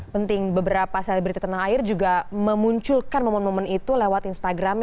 penting beberapa selebriti tanah air juga memunculkan momen momen itu lewat instagramnya